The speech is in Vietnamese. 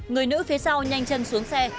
người nữ phía sau nhanh chân xuống xe